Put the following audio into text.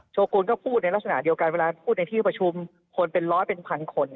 โกนก็พูดในลักษณะเดียวกันเวลาพูดในที่ประชุมคนเป็นร้อยเป็นพันคน